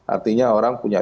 artinya orang punya